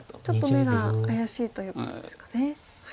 ちょっと眼が怪しいということですかね。